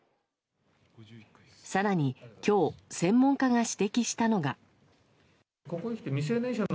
更に、今日専門家が指摘したのが。